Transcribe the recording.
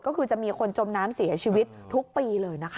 ก็คือจะมีคนจมน้ำเสียชีวิตทุกปีเลยนะคะ